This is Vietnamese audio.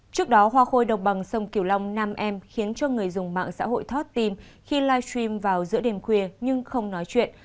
trước đó hoa khôi độc bằng sông kiều long nam em khiến cho người dùng mạng xã hội thót tim khi live stream vào giữa đêm khuya nhưng không nói chuyện